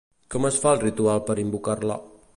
Com es fa el ritual per invocar-la?